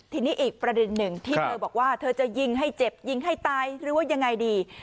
ทีนี้อีกประเด็นหนึ่งที่เธอบอกว่าเธอจะยิงให้เจ็บยิงให้ตายหรือว่ายังไงดี